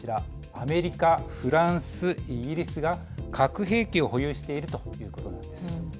アメリカ、フランス、イギリスが核兵器を保有しているということなんです。